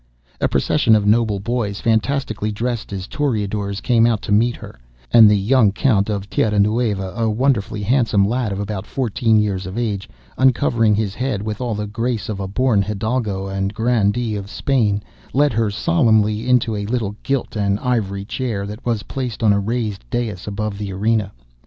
A procession of noble boys, fantastically dressed as toreadors, came out to meet her, and the young Count of Tierra Nueva, a wonderfully handsome lad of about fourteen years of age, uncovering his head with all the grace of a born hidalgo and grandee of Spain, led her solemnly in to a little gilt and ivory chair that was placed on a raised dais above the arena.